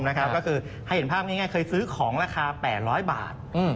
เฮ่ยแล้วในภาพง่ายเคยซื้อของราคา๘๐๐บาท